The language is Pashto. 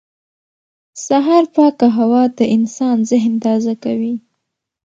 سهار پاکه هوا د انسان ذهن تازه کوي